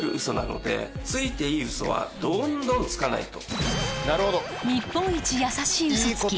ついていいウソはどんどんつかないと。